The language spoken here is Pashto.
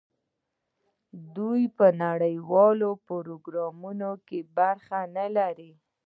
آیا دوی په نړیوالو پریکړو کې برخه نلري؟